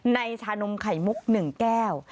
ชานมไข่มุก๑แก้ว